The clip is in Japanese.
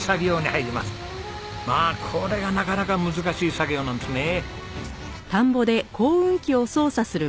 まあこれがなかなか難しい作業なんですね。